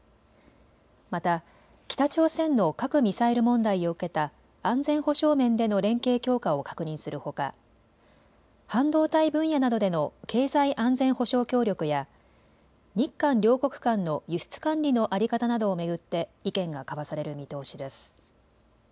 また北朝鮮の核・ミサイル問題を受けた安全保障面での連携強化を確認するほか半導体分野などでの経済安全保障協力や日韓両国間の輸出管理の在り方などを巡って意見が交わされる見通しです。